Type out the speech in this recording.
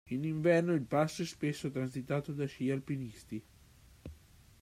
In inverno il passo è spesso transitato da sci-alpinisti.